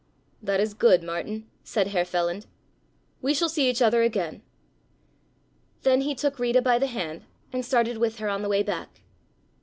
"That is good, Martin," said Herr Feland, "we shall see each other again." Then he took Rita by the hand and started with her on the way back.